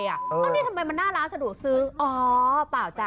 เอานี่ทำไมมันหน้าร้านสะดวกซื้ออ๋อเปล่าจ้ะ